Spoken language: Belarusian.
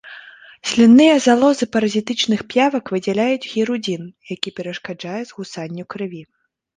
Слінныя залозы паразітычных п'явак выдзяляюць гірудзін, які перашкаджае згусанню крыві.